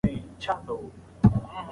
ایا موږ له دغه توپاني حالت څخه وژغورل شوو؟